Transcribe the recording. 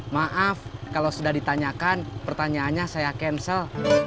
maaf kalau sudah ditanyakan pertanyaannya saya cancel